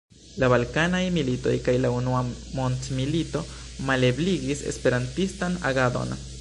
La balkanaj militoj kaj la Unua Mondmilito malebligis esperantistan agadon.